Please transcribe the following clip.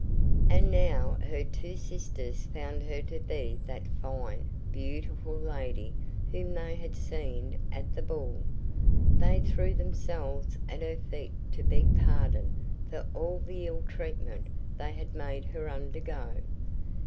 And now her two sisters found her to be that fine, beautiful lady whom they had seen at the ball. They threw themselves at her feet to beg pardon for all the ill treatment they had made her undergo.